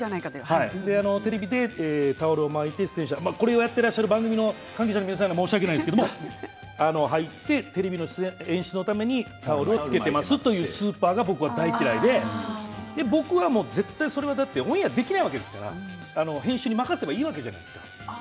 テレビでタオルを巻いてこれをやっている番組の方は申し訳ないですけれども演出のためにタオルをつけてますというスーパーが僕は大嫌いで僕は絶対、だってオンエアできないわけですから編集に任せればいいじゃないですか。